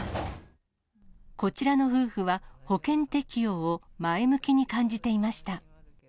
こちらの夫婦は、保険適用を前向きに感じていました。